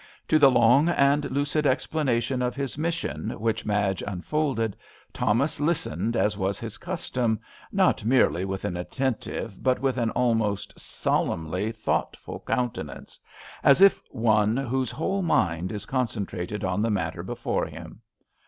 To the long and lucid explana tion of his mission which Madge unfolded Thomas listened as was his custom, not merely with an attentive but with an almost solemnly thoughtful countenance, as of one whose whole mind is concentrated on the matter before him.